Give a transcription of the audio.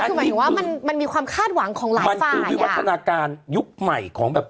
คือหมายถึงว่ามันมันมีความคาดหวังของหลายฝ่ายคือวิวัฒนาการยุคใหม่ของแบบ